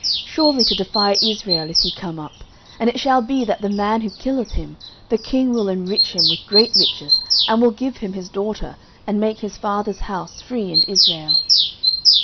surely to defy Israel is he come up: and it shall be, that the man who killeth him, the king will enrich him with great riches, and will give him his daughter, and make his father's house free in Israel.